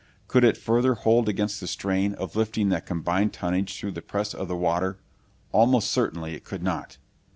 Could it further hold against the strain of lifting that combined tonnage through the press of the water? Almost certainly it could not!